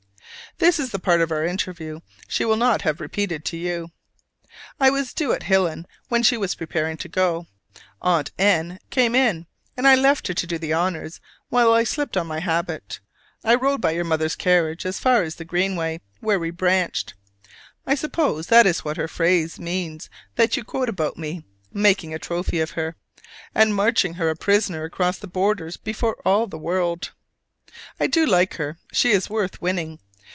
This is the part of our interview she will not have repeated to you. I was due at Hillyn when she was preparing to go: Aunt N came in, and I left her to do the honors while I slipped on my habit. I rode by your mother's carriage as far as the Greenway, where we branched. I suppose that is what her phrase means that you quote about my "making a trophy of her," and marching her a prisoner across the borders before all the world! I do like her: she is worth winning.